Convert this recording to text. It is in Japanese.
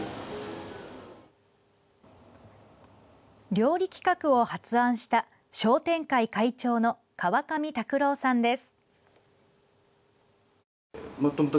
料理企画を発案した商店会会長の川上拓郎さんです。